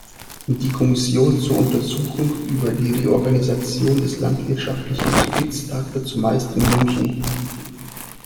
Die Kommission zur Untersuchung über die Reorganisation des landwirtschaftlichen Kredits tagte zumeist in München.